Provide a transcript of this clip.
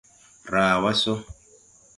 Raa wa sɔ.